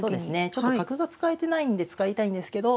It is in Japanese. ちょっと角が使えてないんで使いたいんですけど